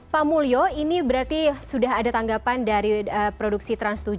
pak mulyo ini berarti sudah ada tanggapan dari produksi trans tujuh